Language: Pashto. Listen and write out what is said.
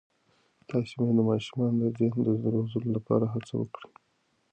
تاسې باید د ماشومانو د ذهن د روزلو لپاره هڅه وکړئ.